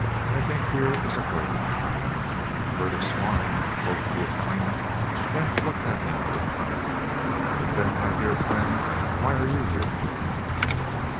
"I think here is a herd." "And a herd of swine," quoth the Italian, then looked at him with cunning. "But then, my dear friend, why are you here?"